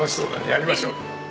やりましょう。